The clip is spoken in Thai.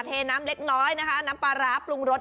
เทน้ำเล็กน้อยนะคะน้ำปลาร้าปรุงรส